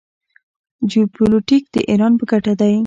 جیوپولیټیک د ایران په ګټه دی.